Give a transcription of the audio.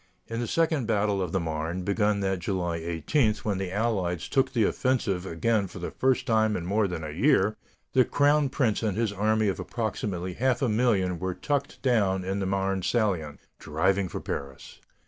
In the second battle of the Marne, begun that July 18, when the Allies took the offensive again for the first time in more than a year, the crown prince and his army of approximately half a million were tucked down in the Marne salient, driving for Paris.